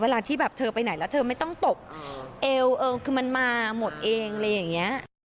ที่แบบเธอไปไหนแล้วเธอไม่ต้องตบเอวคือมันมาหมดเองอะไรอย่างนี้